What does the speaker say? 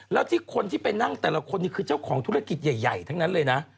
แล้วที่คนที่ไปนั่งแต่ละคนนี้คือเจ้าของธุรกิจใหญ่ทั้งนั้นเลยนะ